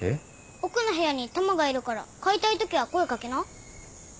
奥の部屋にタマがいるから買いたいときは声掛けな。